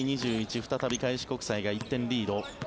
再び、開志国際が１点リード。